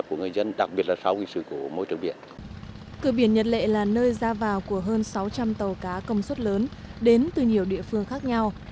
cửa biển nhật lệ là nơi ra vào của hơn sáu trăm linh tàu cá công suất lớn đến từ nhiều địa phương khác nhau